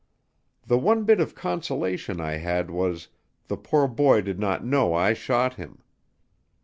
The one bit of consolation I had was, the poor boy did not know I shot him.